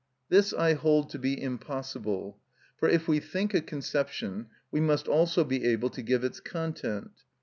This I hold to be impossible, for if we think a conception we must also be able to give its content.